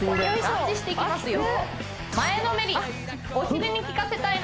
反対いきますよ